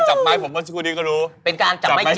สามารถรับชมได้ทุกวัย